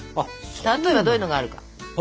例えばどういうのがあるか。